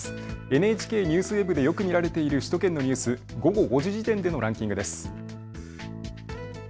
ＮＨＫＮＥＷＳＷＥＢでよく見られている首都圏のニュース、午後５時時点でのランキングです。